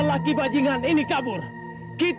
wah haji teh dikuburkan